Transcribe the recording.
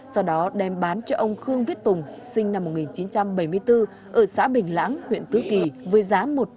sau đó đem bán cho ông khương viết tùng